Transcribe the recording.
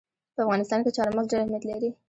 په افغانستان کې چار مغز ډېر اهمیت لري.